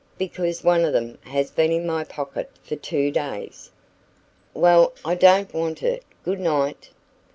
because one of them has been in my pocket for two days." "Well, I don't want it. Good night!"